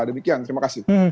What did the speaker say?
demikian terima kasih